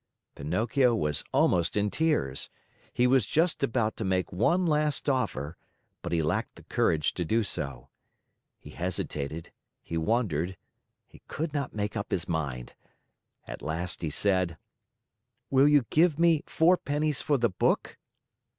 Pinocchio was almost in tears. He was just about to make one last offer, but he lacked the courage to do so. He hesitated, he wondered, he could not make up his mind. At last he said: "Will you give me four pennies for the book?"